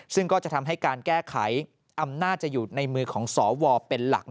ซึ่งก็จะทำให้การแก้ไขอำนาจจะอยู่ในมือของสวเป็นหลัก